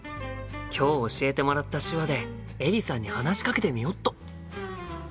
今日教えてもらった手話でエリさんに話しかけてみよっと！